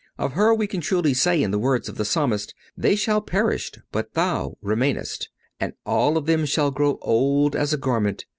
Of Her we can truly say in the words of the Psalmist: "They shall perish, but thou remainest; and all of them shall grow old as a garment.